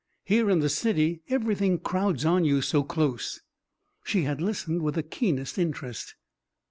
Here in the city everything crowds on you so close." She had listened with the keenest interest.